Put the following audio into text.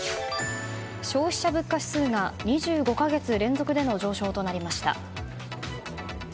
消費者物価指数が２５か月連続での上昇となりました。